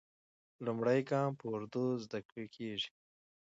لومړی ګام په اردو زده کېږي.